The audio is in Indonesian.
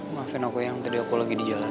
maafin aku yang tadi aku lagi di jalan